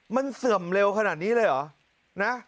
มันเสื่อมเร็วขนาดนี้เลยเหรอนะ